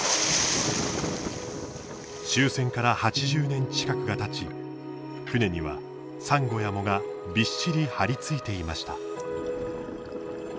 終戦から８０年近くがたち船には、サンゴや藻がびっしり張り付いていました。